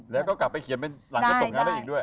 แล้วก็กลับไปเขียนหลังก็ส่งงานให้อีกด้วย